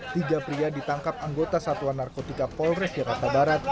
tiga pria ditangkap anggota satuan narkotika polres jakarta barat